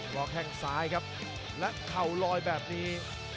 แข้งซ้ายครับและเข่าลอยแบบนี้